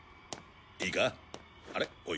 いいかあれおい。